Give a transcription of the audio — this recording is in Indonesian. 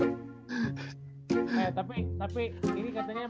eh tapi ini katanya